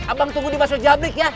abang tunggu di masa jabrik ya